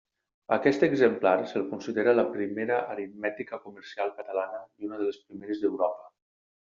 Aquest exemplar se’l considera la primera aritmètica comercial catalana i una de les primeres d’Europa.